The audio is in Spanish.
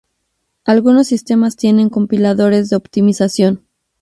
Algunos sistemas tienen compiladores de optimización.